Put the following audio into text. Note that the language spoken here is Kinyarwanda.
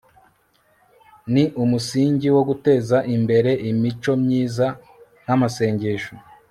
ni umusingi wo guteza imbere imico myiza nk'amasengesho